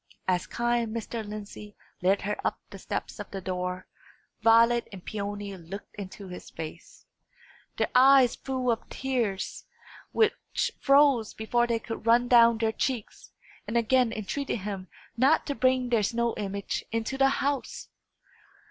As kind Mr. Lindsey led her up the steps of the door, Violet and Peony looked into his face their eyes full of tears, which froze before they could run down their cheeks and again entreated him not to bring their snow image into the house.